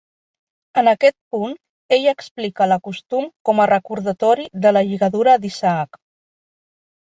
En aquest punt, ell explica la costum com a recordatori de la lligadura d'Isaac.